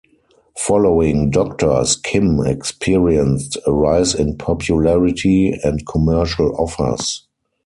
Following "Doctors", Kim experienced a rise in popularity and commercial offers.